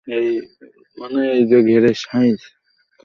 তিনি এটাকে আশীর্বাদ ভেবেছিলেন।